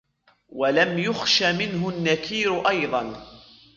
وَلَمْ يُخْشَ مِنْهُ النَّكِيرُ أَيْضًا